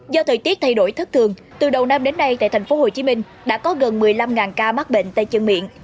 do thời tiết thay đổi thất thường từ đầu năm đến nay tại tp hcm đã có gần một mươi năm ca mắc bệnh tay chân miệng